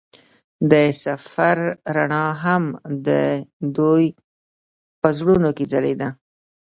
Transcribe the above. د سفر رڼا هم د دوی په زړونو کې ځلېده.